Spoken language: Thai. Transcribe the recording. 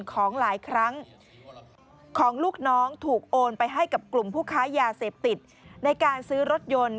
ก็ถูกโอนไปให้กับกลุ่มผู้ค้ายาเสพติดในการซื้อรถยนต์